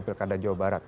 pilkada jawa barat